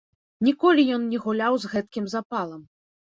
Ніколі ён не гуляў з гэткім запалам.